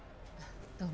どうも。